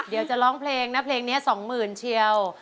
เดี๋ยวจะร้องเพลงนะเพลงนี้๒๐๐๐เชียว